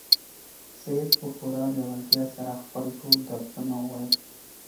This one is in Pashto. سعید په خورا لېوالتیا سره خپل ټول درسونه وویل.